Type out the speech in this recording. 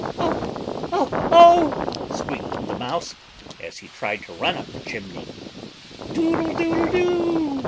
"Oh! oh! oh!" squeaked the Mouse as he tried to run up the chimney. "Doodle doodle do!"